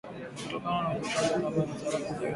kutokana na kushuka kwa thamani ya sarafu ya Zimbabwe